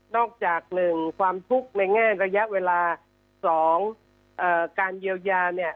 จาก๑ความทุกข์ในแง่ระยะเวลา๒การเยียวยาเนี่ย